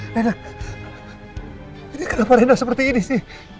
reyna ini kenapa reyna seperti ini sih